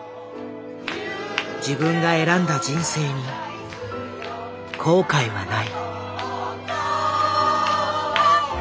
自分が選んだ人生に後悔はない。